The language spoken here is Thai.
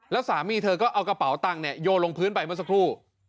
แล้วสามีเธอก็เอากระเป๋าตังค์โยนลงพื้นไปเมื่อสักครู่